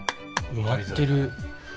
埋まってる？